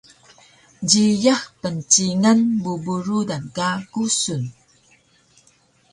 Jiyax pncingan bubu rudan ka kusun